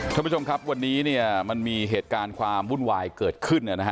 ท่านผู้ชมครับวันนี้เนี่ยมันมีเหตุการณ์ความวุ่นวายเกิดขึ้น